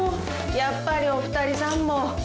やっぱりお二人さんも？